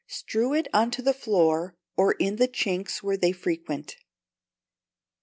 Strew it on the floor, or in the chinks where they frequent. 2472.